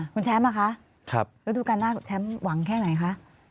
คุณแชมป์ล่ะคะฤดูการหน้าแชมป์หวังแค่ไหนคะ